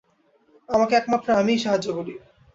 আমাকে একমাত্র আমিই সাহায্য করি।